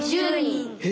え